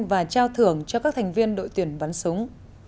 và trao thưởng cho các thành viên đội tuyển bắn súng